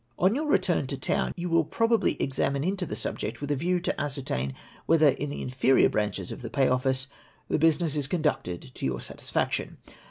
On your return to town, you will probably examine into the subject, with a view to ascertain whether in the inferior branches of the Pay Office, the business is conducted to your satisfaction.